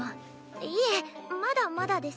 いえまだまだです。